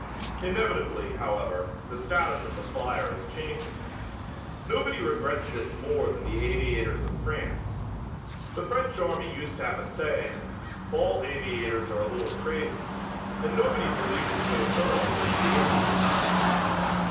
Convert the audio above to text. Inevitably, however, the status of the flier is changing. Nobody regrets this more than the aviators of France. The French army used to have a saying, "all aviators are a little crazy," and nobody believed it so thoroughly as the aviators.